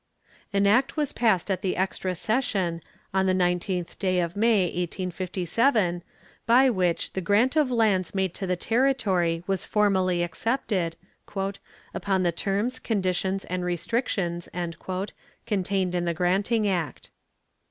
An act was passed at the extra session, on the 19th day of May, 1857, by which the grant of lands made to the territory was formally accepted, "upon the terms, conditions and restrictions" contained in the granting act.